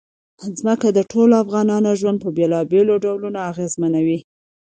ځمکه د ټولو افغانانو ژوند په بېلابېلو ډولونو اغېزمنوي.